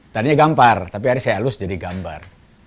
tandanya gampar tapi hari saya halus jadi gambar